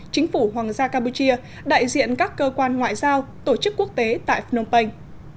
chính phủ hoàng gia campuchia đại diện các cơ quan ngoại giao tổ chức quốc tế tại phnom penh